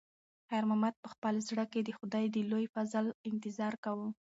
خیر محمد په خپل زړه کې د خدای د لوی فضل انتظار کاوه.